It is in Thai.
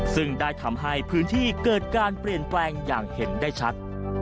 ซึ่งได้ทำให้พื้นที่เกิดการเปลี่ยนแปลงอย่างเห็นได้ชัด